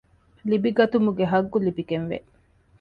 ލިބިގަތުމުގެ ޙައްޤު ލިބިގެން ވޭ